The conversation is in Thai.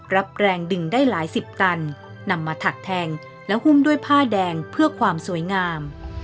รับแรงดึงได้หลายสิบตันนำมาถักแทงและหุ้มด้วยผ้าแดงเพื่อความสวยงาม